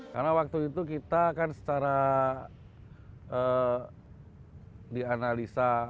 karena waktu itu kita kan secara dianalisa